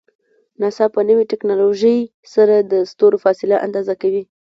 ناسا په نوی ټکنالوژۍ سره د ستورو فاصله اندازه کوي.